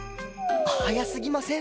早すぎません？